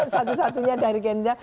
satu satunya dari gerindra